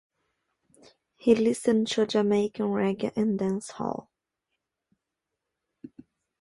He listened to Jamaican reggae and dancehall.